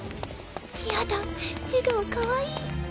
やだ笑顔かわいい。